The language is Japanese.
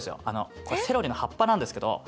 あのこれセロリの葉っぱなんですけど。